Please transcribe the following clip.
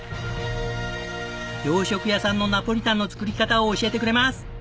洋食屋さんのナポリタンの作り方を教えてくれます。